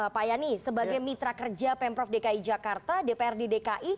pak yani sebagai mitra kerja pemprov dki jakarta dprd dki